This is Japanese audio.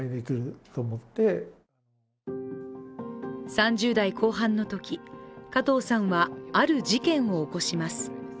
３０代後半のとき、加藤さんはある事件を起こします。